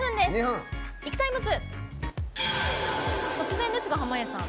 突然ですが、濱家さん